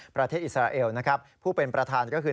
ประเทศอิสราเอลนะครับผู้เป็นประธานก็คือ